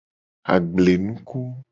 Agblenuku.